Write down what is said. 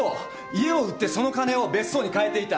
家を売ってその金を別荘に替えていた。